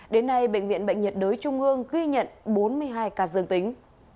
đến nay bệnh viện bệnh nhiệt đới trung ương ghi nhận bốn mươi hai ca dương tính